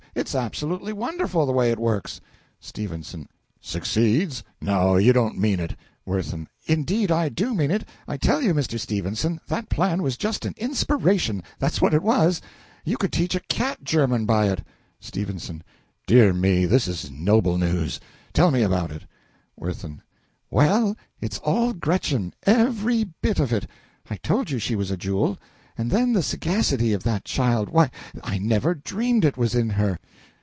It's absolutely wonderful the way it works. S. Succeeds? No you don't mean it. WIRTHIN. Indeed I do mean it. I tell you, Mr. Stephenson, that plan was just an inspiration that's what it was. You could teach a cat German by it. S. Dear me, this is noble news! Tell me about it. WIRTHIN. Well, it's all Gretchen ev ery bit of it. I told you she was a jewel. And then the sagacity of that child why, I never dreamed it was in her.